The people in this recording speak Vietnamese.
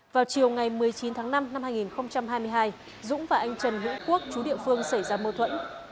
vào chiều ngày một mươi chín tháng năm năm hai nghìn hai mươi hai dũng và anh trần hữu quốc chú địa phương xảy ra mâu thuẫn